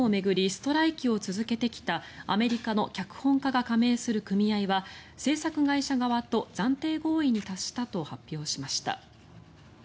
ストライキを続けてきたアメリカの脚本家が加盟する組合は制作会社側と暫定合意に達したと発表しました。